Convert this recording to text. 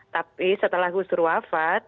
tapi setelah gus dur wafat